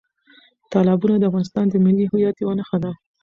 تالابونه د افغانستان د ملي هویت یوه نښه ده.